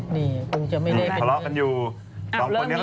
ทะเลาะกันอยู่